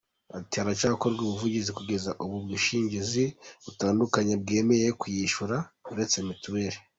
Ati” Haracyokorwa ubuvugizi, kugeza ubu ubwinshingizi butandukanye bwemeye kuyishyura uretse Mitiweli.